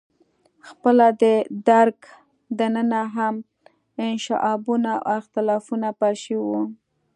خپله د درګ دننه هم انشعابونه او اختلافونه پیل شوي وو.